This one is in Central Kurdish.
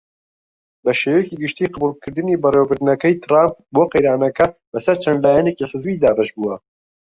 بەشێوەیەکی گشتی قبوڵکردنی بەڕێوبردنەکەی تڕامپ بۆ قەیرانەکەدا بە سەر چەند لایەنێکی حزبی دابەش بووە.